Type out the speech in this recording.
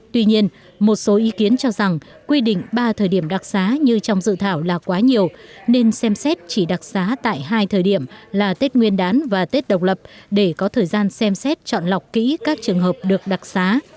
tuy nhiên một số ý kiến cho rằng quy định ba thời điểm đặc xá như trong dự thảo là quá nhiều nên xem xét chỉ đặc xá tại hai thời điểm là tết nguyên đán và tết độc lập để có thời gian xem xét chọn lọc kỹ các trường hợp được đặc xá